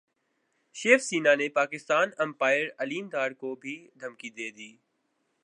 شیو سینا نے پاکستان امپائر علیم ڈار کو بھی دھمکی دے دی